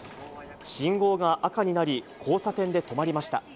信号が赤になり、交差点で止まりました。